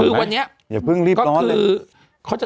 คือวันนี้อย่าเพิ่งรีบร้อนเลย